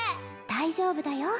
大丈夫だよ